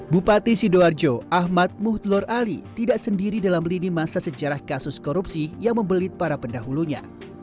bupati sidoarjo ahmad muhdlor ali tidak sendiri dalam lini masa sejarah kasus korupsi yang membelit para pendahulunya